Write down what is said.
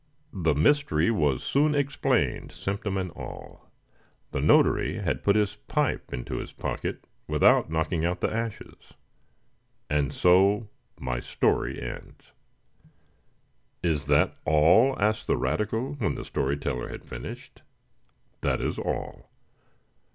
The mystery was soon explained, symptom and all. The notary had put his pipe into his pocket without knocking out the ashes! And so my story ends. "Is that all?" asked the radical, when the story teller had finished. "That is all."